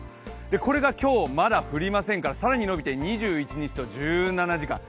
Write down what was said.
これが今日まだ降りませんから更に伸びて、２１日と１７時間。